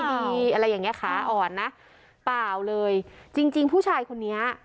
มีอะไรอย่างเงี้ขาอ่อนนะเปล่าเลยจริงจริงผู้ชายคนนี้